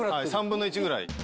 ３分の１ぐらい。